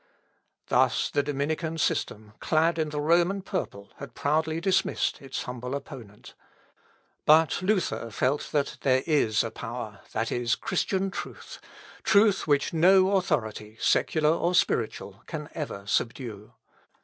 Thus the Dominican system, clad in the Roman purple, had proudly dismissed its humble opponent. But Luther felt that there is a power, viz., Christian truth truth, which no authority, secular or spiritual, can ever subdue.